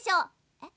えっ？